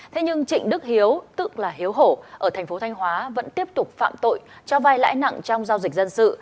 thế nhưng trịnh đức hiếu tự là hiếu hổ ở tp thanh hóa vẫn tiếp tục phạm tội cho vai lãi nặng trong giao dịch dân sự